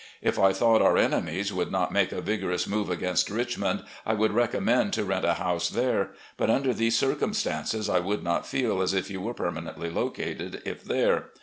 If I thought our enemies would not make a vigorous move against Richmond, I would recommend to rent a house there. But under these circumstances I would not feel as if you were permanently located if there.